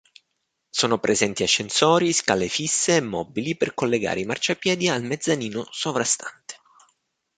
Sono presenti ascensori, scale fisse e mobili per collegare i marciapiedi al mezzanino sovrastante.